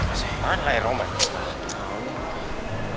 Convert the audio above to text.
aduh coba apa sih mana ya roman